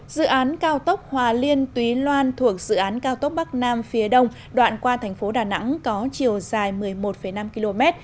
dự án cao tốc hòa liên túy loan thuộc dự án cao tốc bắc nam phía đông đoạn qua thành phố đà nẵng có chiều dài một mươi một năm km